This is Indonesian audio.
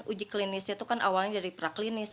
uji klinisnya itu kan awalnya dari praklinis